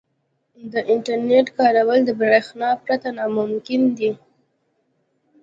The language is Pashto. • د انټرنیټ کارول د برېښنا پرته ناممکن دي.